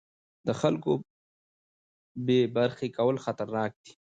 د خلکو بې برخې کول خطرناک دي